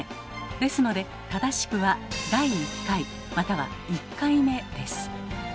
ですので正しくは「第一回」または「一回目」です。